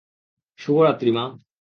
শুভ রাত্রি মা!